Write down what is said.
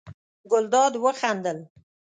ګلداد وخندل.